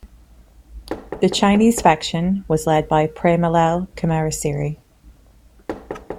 The Chinese faction was led by Premalal Kumarasiri.